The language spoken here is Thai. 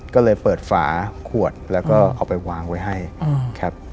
ก็เลยเปิดฝาขวดแล้วก็เอาไปวางไว้ให้ครับ